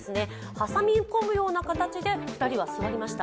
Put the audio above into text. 挟み込むような形で２人は座りました。